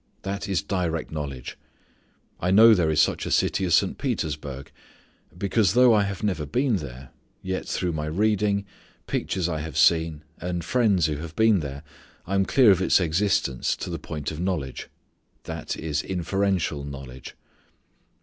That is direct knowledge. I know there is such a city as St. Petersburg because though I have never been there, yet through my reading, pictures I have seen, and friends who have been there I am clear of its existence to the point of knowledge. That is inferential knowledge.